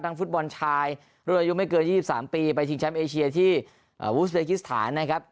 ฟุตบอลชายรุ่นอายุไม่เกิน๒๓ปีไปชิงแชมป์เอเชียที่วูสเดกิสถานนะครับ